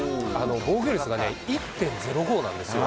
防御率が１．０５なんですよ。